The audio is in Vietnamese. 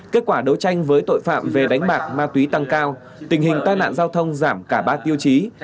kết quả đấu tranh với tội phạm về đánh bạc ma túy tăng cao tình hình tai nạn giao thông giảm cả ba tiêu chí